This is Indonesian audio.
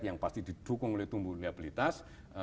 yang pasti didukung oleh tumbuh liabilitas